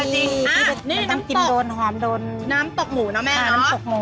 และปลาร้าคือไม่เป็น